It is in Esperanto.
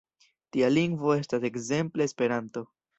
Tia lingvo estas ekzemple Esperanto.